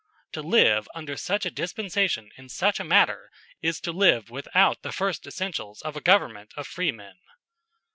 To live under such a dispensation in such a matter is to live without the first essentials of a government of freemen.